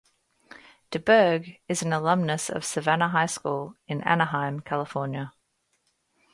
DeBerg is an alumnus of Savanna High School in Anaheim, California.